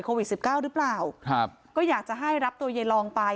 โควิดสิบเก้าหรือเปล่าครับก็อยากจะให้รับตัวยายลองไป